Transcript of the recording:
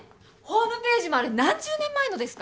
ホームページもあれ何十年前のですか？